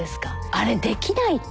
あれできないって。